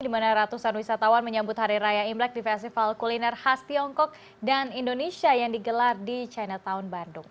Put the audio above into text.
di mana ratusan wisatawan menyambut hari raya imlek di festival kuliner khas tiongkok dan indonesia yang digelar di chinatown bandung